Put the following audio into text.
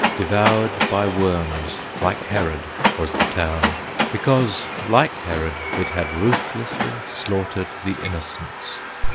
Devoured by worms, like Herod, was the town, Because, like Herod, it had ruthlessly Slaughtered the Innocents.